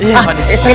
iya pak de